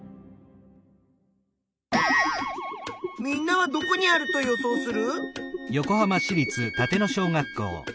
みんなはどこにあると予想する？